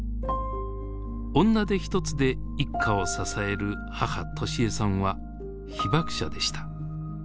女手一つで一家を支える母敏恵さんは被爆者でした。